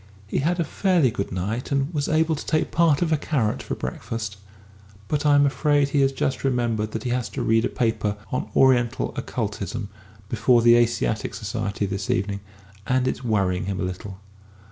He had a fairly good night, and was able to take part of a carrot for breakfast but I'm afraid he has just remembered that he has to read a paper on 'Oriental Occultism' before the Asiatic Society this evening, and it's worrying him a little....